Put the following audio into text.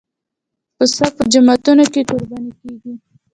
پسه په جوماتونو کې قرباني کېږي.